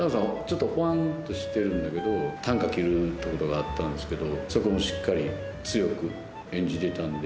ちょっとホワンとしてるんだけどたんか切るとことかあったんですけどそこもしっかり強く演じていたんで。